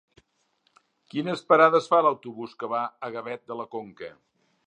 Quines parades fa l'autobús que va a Gavet de la Conca?